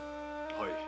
はい。